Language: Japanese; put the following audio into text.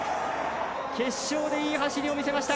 決勝でいい走りを見せました。